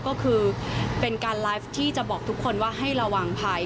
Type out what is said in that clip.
ก็คือเป็นการไลฟ์ที่จะบอกทุกคนว่าให้ระวังภัย